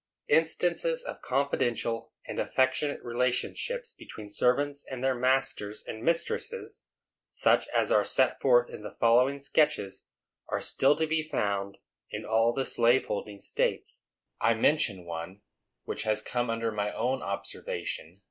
Instances of confidential and affectionate relationship between servants and their masters and mistresses, such as are set forth in the following Sketches, are still to be found in all the slaveholding states. I mention one, which has come under my own observation.